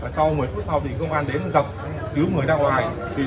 sau một mươi phút sau thì công an đến dọc cứu người ra ngoài